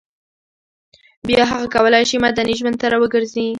بیا هغه کولای شي مدني ژوند ته راوګرځي